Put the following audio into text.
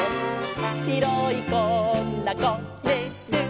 「しろいこなこねる」